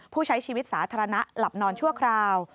ผู้ใช้ชีวิตสาธารณะหลับนอนชั่วคราว